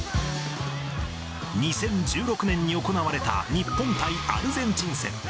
２０１６年に行われた日本対アルゼンチン戦。